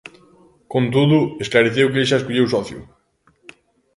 Con todo, esclareceu que el xa escolleu socio.